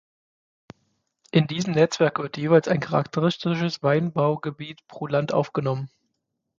In diesem Netzwerk wird jeweils ein charakteristisches Weinbaugebiet pro Land aufgenommen.